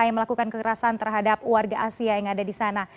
yang melakukan kekerasan terhadap warga asia yang ada di sana